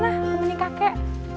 nah temennya kakek